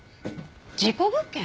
事故物件？